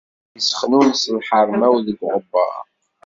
Ad issexnunes lḥerma-w deg uɣebbar.